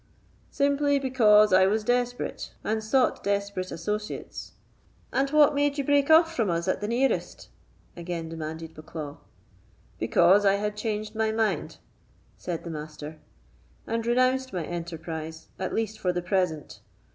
"Simply, because I was desperate, and sought desperate associates." "And what made you break off from us at the nearest?" again demanded Bucklaw. "Because I had changed my mind," said the Master, "and renounced my enterprise, at least for the present.